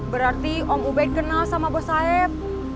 berarti om ubed kenal sama bos saif